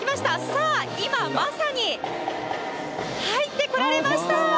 さあ、今まさに、入ってこられました！